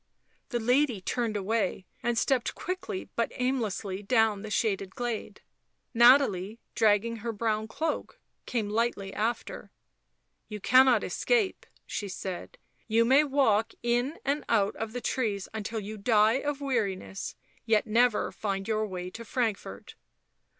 The lady turned away and stepped quickly but aimlessly down the shaded glade. Nathalie, dragging her brown cloak, came lightly after. " You cannot escape," she said. " You may walk in and out the trees until you die of weariness, yet never find your way to Frankfort."